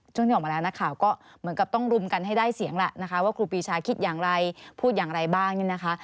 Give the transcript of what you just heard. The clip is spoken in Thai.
ที่ออกมาแล้วนักข่าวก็เหมือนกับต้องรุมกันให้ได้เสียงแหละนะคะว่าครูปีชาคิดอย่างไรพูดอย่างไรบ้างเนี่ยนะคะ